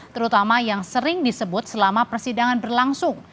terutama yang sering disebut selama persidangan berlangsung